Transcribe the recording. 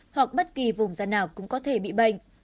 hoặc bất kỳ vùng da nào cũng có thể bị bệnh